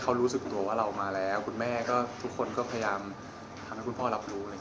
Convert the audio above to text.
เขารู้สึกตัวว่าเรามาแล้วคุณแม่ก็ทุกคนก็พยายามทำให้คุณพ่อรับรู้